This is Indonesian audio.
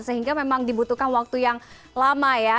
sehingga memang dibutuhkan waktu yang lama ya